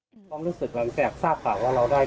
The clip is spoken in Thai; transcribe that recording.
ผมรู้สึกว่าอยากทราบค่ะว่าเราได้